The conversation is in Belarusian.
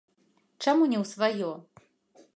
Чаму не ў сваё?